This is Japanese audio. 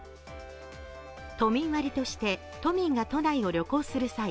都民割として都民が都内を旅行する際